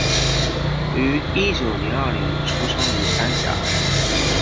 於一九零二年出生于三峡